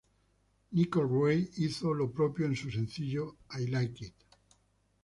Nicole Wray hizo lo propio en su sencillo "I Like It".